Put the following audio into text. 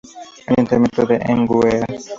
Ayuntamiento de Enguera".